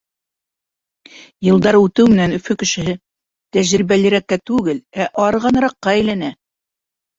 Йылдар үтеү менән Өфө кешеһе тәжрибәлерәккә түгел, ә арығаныраҡҡа әйләнә.